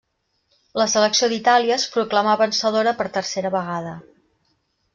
La selecció d'Itàlia es proclamà vencedora per tercera vegada.